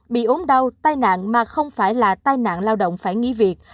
bị ốm đau tai nạn mà không phải là tai nạn lao động phải nghỉ việc